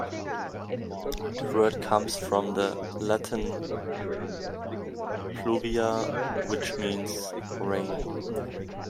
The word comes from the Latin "pluvia", which means "rain".